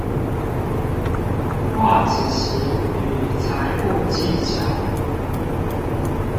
畫紙型與裁布技巧